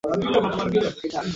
তুমি পারবে, ম্যাভ।